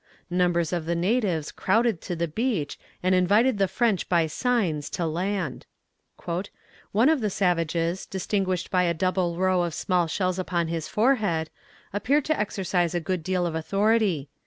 Numbers of the natives crowded to the beach, and invited the French by signs to land. "One of the savages, distinguished by a double row of small shells upon his forehead, appeared to exercise a good deal of authority.